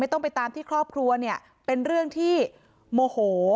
ต้องไปตามที่ครอบครัวเนี่ยเป็นเรื่องที่โมโห